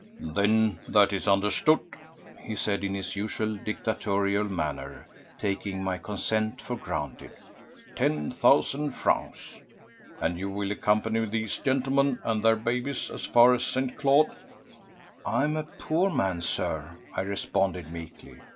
"Then that is understood," he said in his usual dictatorial manner, taking my consent for granted. "Ten thousand francs. And you will accompany these gentlemen and their 'babies' as far as St. Claude?" "I am a poor man, Sir," I responded meekly.